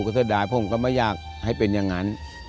ก็เสียดายผมก็ไม่อยากให้เป็นอย่างนั้น